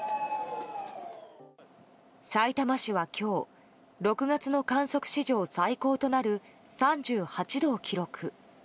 さいたま市は今日６月の観測史上最高となる３８度を記録。